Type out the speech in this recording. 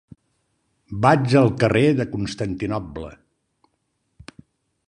Vaig al carrer de Constantinoble.